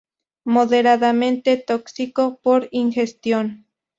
Moderadamente tóxico por ingestión.